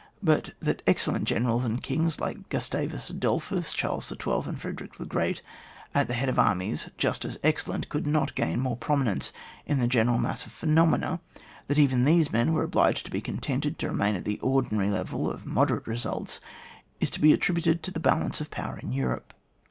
But that excellent generals and kings, like Gustavus Adolphus, Charles XII., and Frederick the Great, at the head of armies just as excellent, could not *gain more prominence in the general mass of phenomena — that even these men were obliged to be contented to remain at the ordinary level of moderate residts, is to be attributed to the balance of power in Europe.